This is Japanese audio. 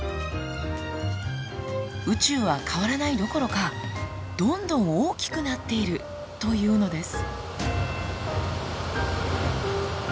宇宙は変わらないどころかどんどん大きくなっているというのです。